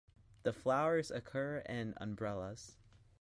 The flowers occur in umbels.